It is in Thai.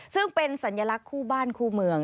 ซึ่งเป็นสัญลักษณ์คู่บ้านคู่เมือง